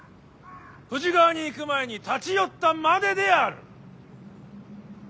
富士川に行く前に立ち寄ったまでである！